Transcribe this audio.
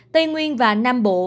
tây nguyên và nam bộ